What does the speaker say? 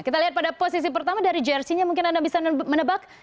kita lihat pada posisi pertama dari jersinya mungkin anda bisa menebak